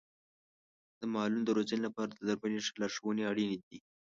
د مالونو د روزنې لپاره د درملنې ښه لارښونې اړین دي.